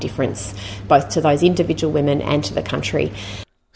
pemerintah australia cathy gallagher mengatakan ini adalah hal yang masuk akal untuk dilakukan